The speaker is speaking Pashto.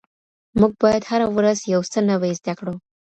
موږ باید هره ورځ یو څه نوي زده کړو.